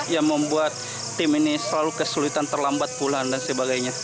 yang membuat tim ini selalu kesulitan terlambat pulang dan sebagainya